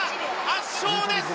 圧勝です！